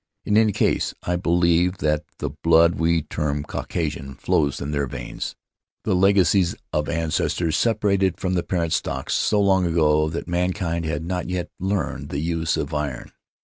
In any case, I believe that the blood we term Caucasian flows in their veins, the legacy of ancestors separated from the parent stock so long ago that mankind had not yet learned the use of iron.